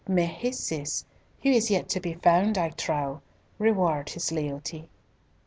May his Cis, who is yet to be found, I trow, reward his lealty!"